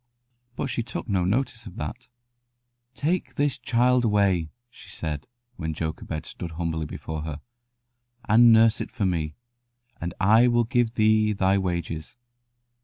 But she took no notice of that. "Take this child away," she said, when Jochebed stood humbly before her, "and nurse it for me, and I will give thee thy wages."